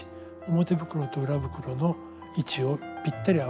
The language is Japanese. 表袋と裏袋の位置をぴったり合わせておいて下さい。